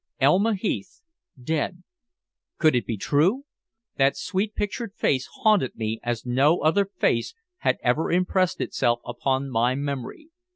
Elma Heath dead! Could it be true? That sweet pictured face haunted me as no other face had ever impressed itself upon my memory.